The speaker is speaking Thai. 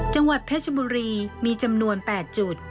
จังหวัดเพชรบุรีมีจำนวน๘จุด